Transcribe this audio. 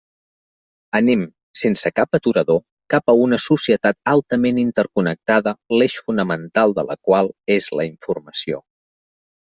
Anem, sense cap aturador, cap a una societat altament interconnectada l'eix fonamental de la qual és la informació.